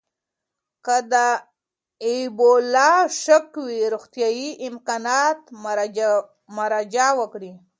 که د اېبولا شک وي، روغتیايي امکاناتو ته مراجعه وکړئ.